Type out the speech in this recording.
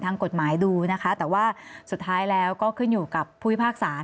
ทางกฎหมายดูนะคะแต่ว่าสุดท้ายแล้วก็ขึ้นอยู่กับผู้พิพากษา